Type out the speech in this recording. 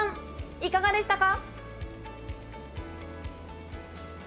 いかがでしたか。